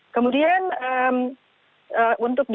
kemudian untuk di